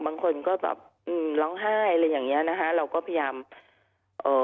บางคนก็แบบอืมร้องไห้อะไรอย่างเงี้ยนะคะเราก็พยายามเอ่อ